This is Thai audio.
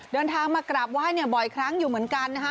เดินทางมากราบไหว้เนี่ยบ่อยครั้งอยู่เหมือนกันนะฮะ